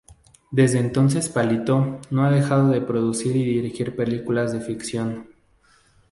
Desde entonces Palito no ha dejado de producir y dirigir películas de ficción.